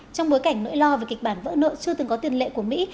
trong bối cảnh nỗi lo về kịch bản vỡ nợ chưa từng có tiền lệ của mỹ